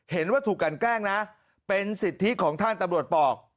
เห็นว่าถูกกันแกล้งนะเป็นสิทธิของท่านตำรวจบอก